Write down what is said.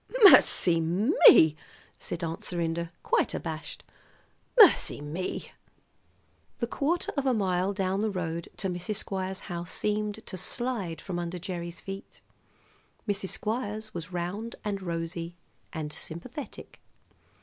"Mercy me!" said Aunt Serinda, quite abashed. "Mercy me!" The quarter of a mile down the road to Mrs. Squires' house seemed to slide from under Gerry's feet. Mrs. Squires was round and rosy and sympathetic.